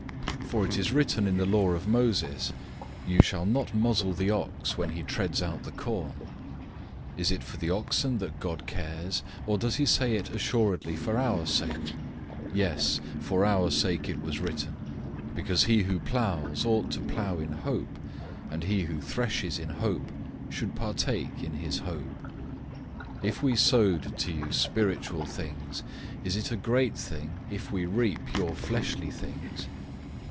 009:009 For it is written in the law of Moses, "You shall not muzzle an ox while it treads out the grain."{Deuteronomy 25:4} Is it for the oxen that God cares, 009:010 or does he say it assuredly for our sake? Yes, it was written for our sake, because he who plows ought to plow in hope, and he who threshes in hope should partake of his hope. 009:011 If we sowed to you spiritual things, is it a great thing if we reap your fleshly things?